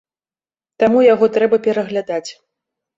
Таму яго трэба пераглядаць.